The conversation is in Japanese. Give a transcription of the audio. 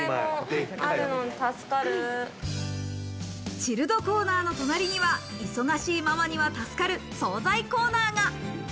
チルドコーナーの隣には忙しいママには助かる、惣菜コーナーが。